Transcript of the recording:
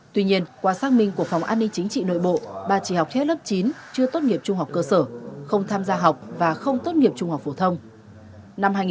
tuy nhiên qua xác minh của phòng an ninh chính trị nội bộ bà chỉ học hết lớp chín chưa tốt nghiệp trung học cơ sở không tham gia học và không tốt nghiệp trung học phổ thông